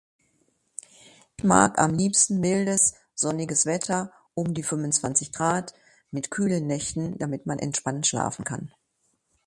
Mag am liebsten mildes sonniges Wetter um die 25 Grad mit kühlen Nächten damit man entspannt schlafen kann.